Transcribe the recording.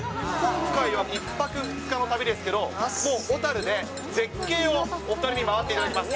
今回は１泊２日の旅ですけど、もう小樽で、絶景をお２人に回っていただきます。